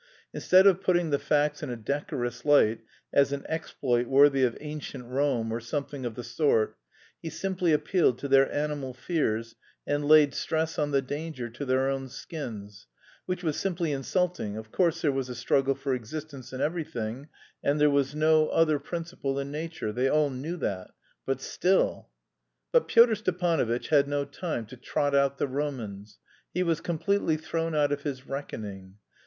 Instead of putting the facts in a decorous light, as an exploit worthy of ancient Rome or something of the sort, he simply appealed to their animal fears and laid stress on the danger to their own skins, which was simply insulting; of course there was a struggle for existence in everything and there was no other principle in nature, they all knew that, but still.... But Pyotr Stepanovitch had no time to trot out the Romans; he was completely thrown out of his reckoning.